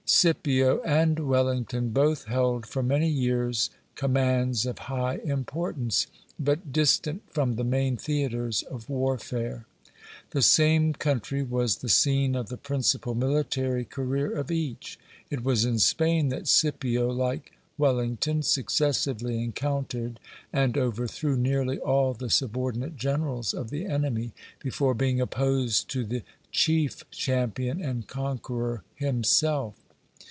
Scipio and Wellington both held for many years commands of high importance, but distant from the main theatres of warfare. The same country was the scene of the principal military career of each. It was in Spain that Scipio, like Wellington, successively encountered and overthrew nearly all the subordinate generals of the enemy before being opposed to the chief champion and conqueror himself.